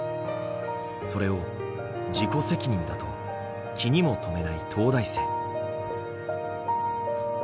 それを「自己責任だ」と気にも留めない東大生。